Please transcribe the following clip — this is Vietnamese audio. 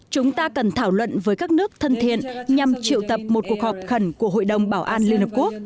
chúng ta cần thảo luận với các nước thân thiện nhằm triệu tập một cuộc họp khẩn của hội đồng bảo an liên hợp quốc